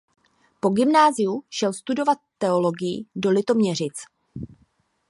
Po gymnáziu šel studovat teologii do Litoměřic.